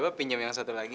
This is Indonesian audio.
coba pinjam yang satu lagi